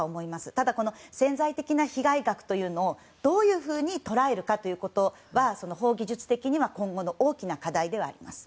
ただ、潜在的な被害者というのをどういうふうに捉えるかということは今後の大きな課題ではあります。